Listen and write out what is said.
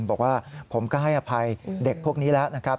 บอกว่าผมก็ให้อภัยเด็กพวกนี้แล้วนะครับ